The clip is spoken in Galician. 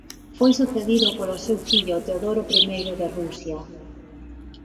Foi sucedido polo seu fillo Teodoro I de Rusia.